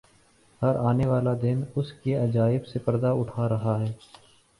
ہر آنے والا دن اس کے عجائب سے پردہ اٹھا رہا ہے۔